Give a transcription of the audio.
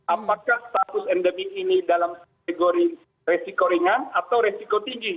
apakah status endemi ini dalam kategori resiko ringan atau resiko tinggi